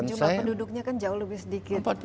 dan jumlah penduduknya kan jauh lebih sedikit